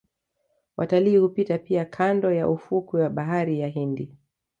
Watalii hupita pia kando ya ufukwe wa bahari ya Hindi